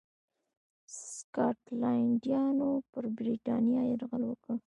سکاټلنډیانو پر برېټانیا یرغل وکړ.